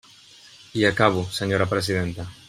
I acabo, senyora presidenta.